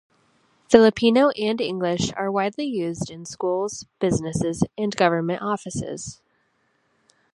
Filipino and English are widely used in schools, businesses and government offices.